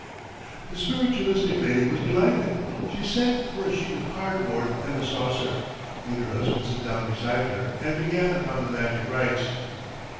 The spiritualistic lady was delighted; she sent for a sheet of cardboard and a saucer, made her husband sit down beside her, and began upon the magic rites.